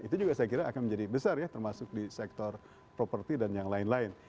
itu juga saya kira akan menjadi besar ya termasuk di sektor properti dan yang lain lain